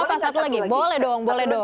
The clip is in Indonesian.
oh apa satu lagi boleh dong